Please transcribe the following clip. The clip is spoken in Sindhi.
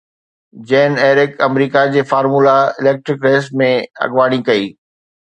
جين-ايرڪ آمريڪا جي فامولا اليڪٽرڪ ريس ۾ اڳواڻي ڪئي